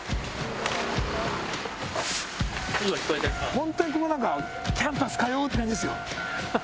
ホントにここなんかキャンパス通うって感じですよ。